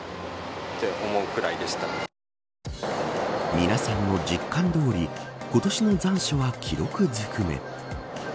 皆さんの実感どおり今年の残暑は記録づくめ。